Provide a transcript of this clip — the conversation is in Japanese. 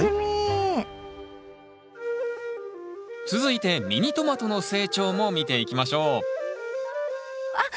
続いてミニトマトの成長も見ていきましょうあっ！